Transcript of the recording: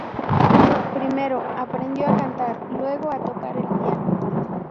Primero, aprendió a cantar, luego a tocar el piano.